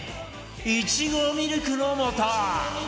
いちごミルクの素